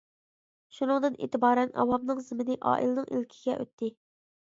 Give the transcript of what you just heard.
شۇنىڭدىن ئېتىبارەن ئاۋامنىڭ زېمىنى ئائىلىنىڭ ئىلكىگە ئۆتتى.